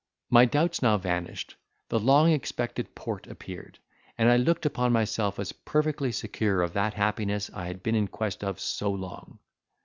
My doubts now vanished, the long expected port appeared, and I looked upon myself as perfectly secure of that happiness I had been in quest of so long.